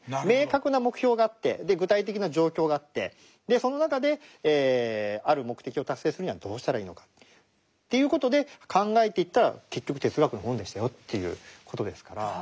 明確な目標があって具体的な状況があってその中である目的を達成するにはどうしたらいいのかという事で考えていったら結局哲学の本でしたよという事ですから。